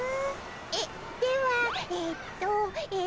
えっではえっとえっと。